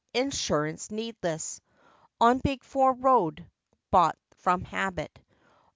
Insurance needless On "Big Four" road. Bought from habit.